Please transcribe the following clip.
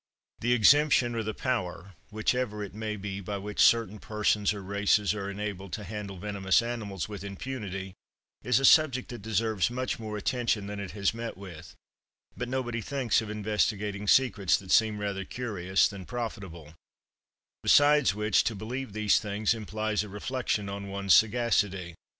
The exemption, or the power, whichever it may be, by which certain persons or races are enabled to handle venomous animals with impunity, is a subject that deserves much more attention than it has met with; but nobody thinks of investigating secrets that seem rather curious than profitable; besides which, to believe these things implies a reflection on one's sagacity.